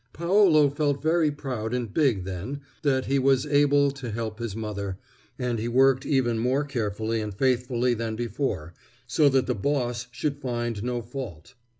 Paolo felt very proud and big then, that he was able to help his mother, and he worked even more carefully and faithfully than before, so that the boss should find no fault.